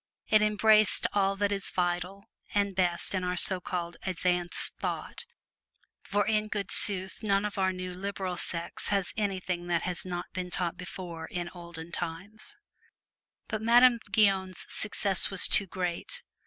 It embraced all that is vital and best in our so called "advanced thought"; for in good sooth none of our new "liberal sects" has anything that has not been taught before in olden time. But Madame Guyon's success was too great.